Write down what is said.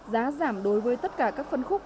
giá giảm đối với tất cả các phân khúc